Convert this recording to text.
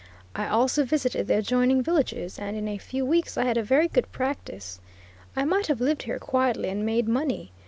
I also visited the adjoining villages, and in a few weeks I had a very good practice. I might have lived here quietly and made money.